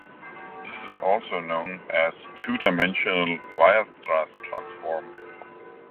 This is also known as a two-dimensional Weierstrass transform.